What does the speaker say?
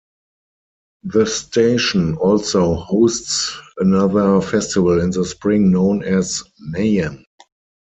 The station also hosts another festival in the spring known as Mayhem.